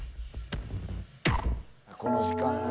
この時間が。